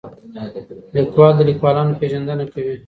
لیکوال د لیکوالانو پېژندنه کوي.